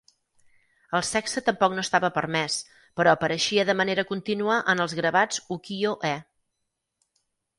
El sexe tampoc no estava permès, però apareixia de manera contínua en els gravats ukiyo-e.